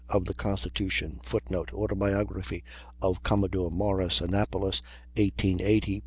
of the Constitution. [Footnote: "Autobiography of Commodore Morris," Annapolis, 1880, p.